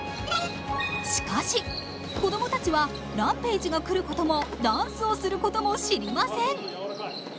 しかし子供たちはＲＡＭＰＡＧＥが来ることもダンスをすることも知りません。